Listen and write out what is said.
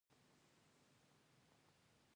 داسې ښکارېدل لکه یوه پوځي قرارګاه.